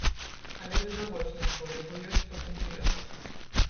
Але відавочна, што ў яго ёсць патэнцыял.